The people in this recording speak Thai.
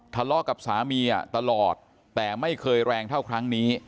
ทะเลาะกับสามีตลอดแต่ไม่เคยแรงเท่าครั้งนี้